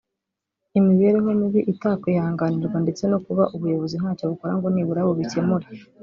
imibereho mibi itakwihanganirwa ndetse no kuba ubuyobozi ntacyo bukora ngo nibura bubikemure